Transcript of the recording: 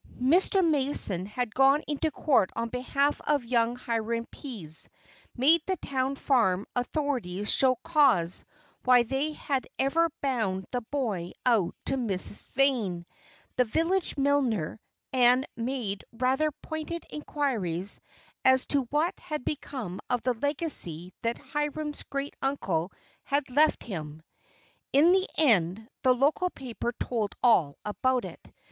Mr. Mason had gone into court on behalf of young Hiram Pease, made the town farm authorities show cause why they had ever bound the boy out to Miss Vane, the village milliner, and made rather pointed inquiries as to what had become of the legacy that Hiram's great uncle had left him. In the end the local paper told all about it.